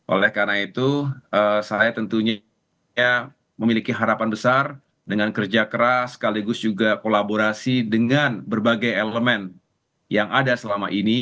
oleh karena itu saya tentunya memiliki harapan besar dengan kerja keras sekaligus juga kolaborasi dengan berbagai elemen yang ada selama ini